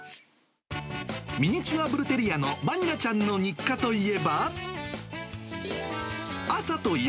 ミニチュアブルテリアのバニラちゃんの日課といえば。